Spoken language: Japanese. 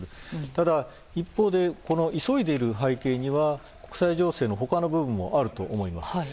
ただ、一方で急いでいる背景には国際情勢の他の部分もあると思います。